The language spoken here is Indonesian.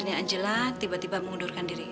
tante aku kebintunya tante